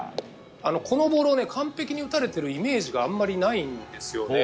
このボールを完璧に打たれてるイメージがあまりないんですよね。